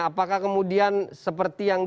apakah kemudian seperti yang